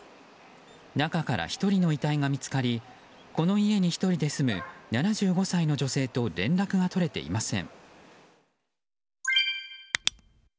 中から１人の遺体が見つかりこの家に１人で住む７５歳の女性と連絡が取れていません。